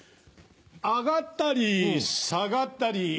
上がったり下がったり。